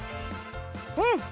うん！